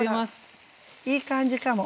いい感じかも。